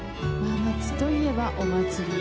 夏といえばお祭り。